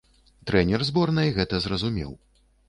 Трэнер зборнай гэта зразумеў.